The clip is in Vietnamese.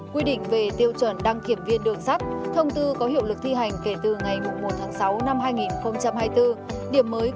quy định về tiêu chuẩn đăng kiểm viên đường sắt thông tư có hiệu lực thi hành kể từ ngày một tháng sáu năm hai nghìn hai mươi bốn